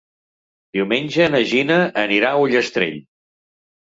Diumenge na Gina anirà a Ullastrell.